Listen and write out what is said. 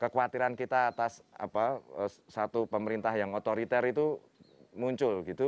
kekhawatiran kita atas satu pemerintah yang otoriter itu muncul gitu